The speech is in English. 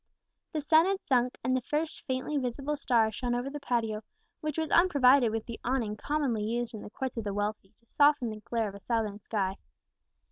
The sun had sunk, and the first faintly visible star shone over the patio, which was unprovided with the awning commonly used in the courts of the wealthy to soften the glare of a southern sky.